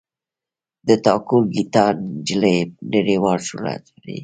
د ټاګور ګیتا نجلي نړیوال شهرت لري.